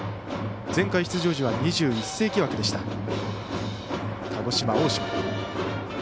前回出場時は２１世紀枠でした。